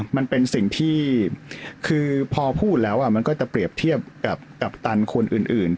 มันเป็นสิ่งที่คือพอพูดแล้วมันก็จะเปรียบเทียบกับกัปตันคนอื่น